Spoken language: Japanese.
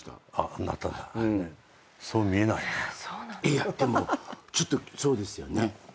いやでもちょっとそうですよね。